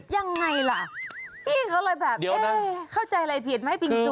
ยังไงล่ะพี่เขาเลยแบบเอ๊ะเข้าใจอะไรผิดไหมปิงซู